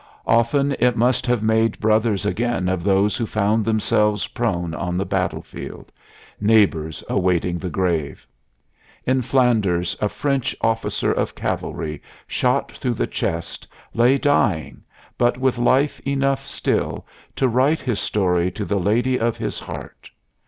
Often it must have made brothers again of those who found themselves prone on the battlefield, neighbors awaiting the grave. In Flanders a French officer of cavalry, shot through the chest, lay dying, but with life enough still to write his story to the lady of his heart.